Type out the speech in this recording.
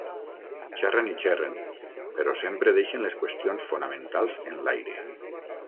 Xerren i xerren, però sempre deixen les qüestions fonamentals enlaire.